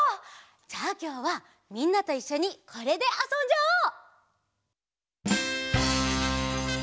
じゃあきょうはみんなといっしょにこれであそんじゃおう！